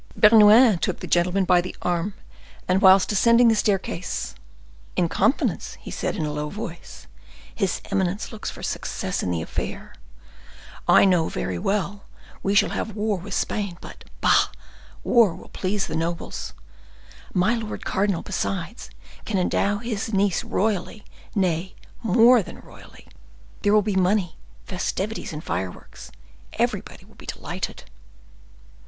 Bernouin took the gentleman by the arm, and whilst ascending the staircase,—"In confidence," said he, in a low voice, "his eminence looks for success in the affair. I know very well we shall have war with Spain; but, bah! war will please the nobles. My lord cardinal, besides, can endow his niece royally, nay, more than royally. There will be money, festivities, and fire works—everybody will be delighted."